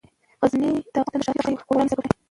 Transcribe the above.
غزني د افغانستان د ښاري پراختیا یو خورا لوی سبب دی.